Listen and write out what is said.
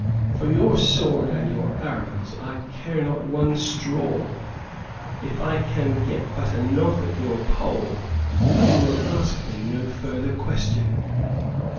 For your sword and your arrows I care not one straw if I can get but a knock at your poll you will ask me no further question."